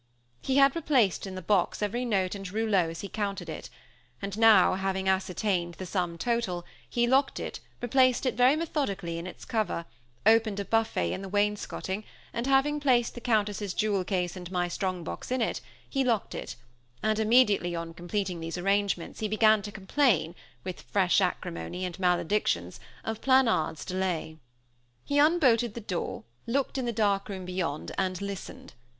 He had replaced in the box every note and rouleau as he counted it, and now, having ascertained the sum total, he locked it, replaced it very methodically in its cover, opened a buffet in the wainscoting, and, having placed the Countess' jewel case and my strong box in it, he locked it; and immediately on completing these arrangements he began to complain, with fresh acrimony and maledictions of Planard's delay. He unbolted the door, looked in the dark room beyond, and listened.